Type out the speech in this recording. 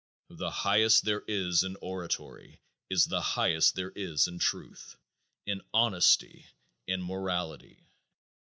The highest there is in oratory is the highest there is in truth, in honesty, in morality.